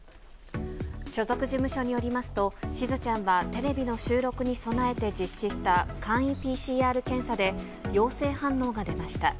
所属事務所によりますと、しずちゃんはテレビの収録に備えて実施した簡易ＰＣＲ検査で、陽性反応が出ました。